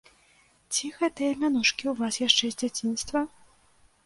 Ці гэтыя мянушкі ў вас яшчэ з дзяцінства?